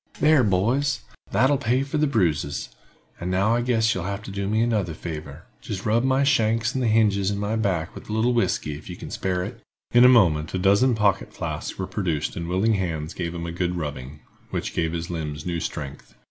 "There, boys, that'll pay for the bruises; and now I guess you'll have to do me another favor—jist rub my shanks and the hinges in my back with a little whisky, if you can spare it." In a moment a dozen pocket flasks were produced and willing hands gave him a good rubbing, which gave his limbs new strength.